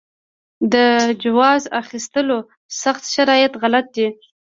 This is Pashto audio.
د جواز اخیستلو سخت شرایط غلط دي.